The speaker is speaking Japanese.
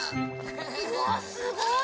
うわすごい！